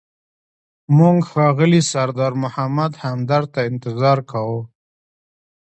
موږ ښاغلي سردار محمد همدرد ته انتظار کاوه.